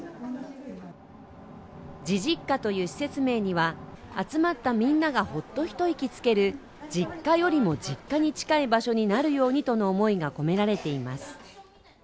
じじっかという施設名には、集まったみんながほっと一息つける、実家よりも実家に近い場所になるようにとの思いが込められています。